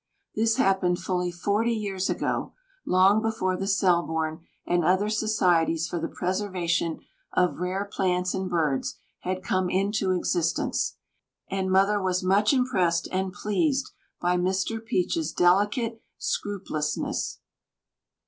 This happened fully forty years ago, long before the Selborne and other Societies for the preservation of rare plants and birds had come into existence, and Mother was much impressed and pleased by Mr. Peech's delicate scrupulousness.